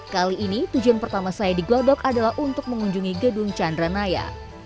kali ini tujuan pertama saya di glodok adalah untuk mengunjungi gedung chandranaya